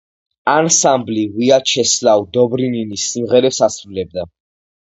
ანსამბლი ვიაჩესლავ დობრინინის სიმღერებს ასრულებდა.